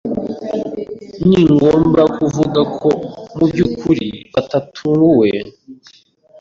Ningomba kuvuga ko mubyukuri batatunguwe.